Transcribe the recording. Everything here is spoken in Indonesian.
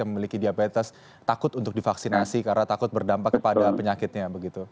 yang memiliki diabetes takut untuk divaksinasi karena takut berdampak kepada penyakitnya begitu